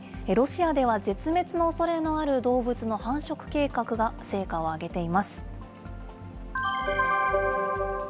ロシアでは絶滅のおそれのある動物の繁殖計画が成果を挙げています。